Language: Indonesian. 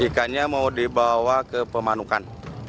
ikannya mau dibawa ke pemanukan